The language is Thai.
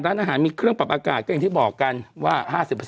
ร้านอาหารมีเครื่องปรับอากาศก็อย่างที่บอกกันว่า๕๐